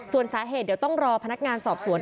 ส่วนสาเหตุเดี๋ยวต้องรอพนักงานสอบสวน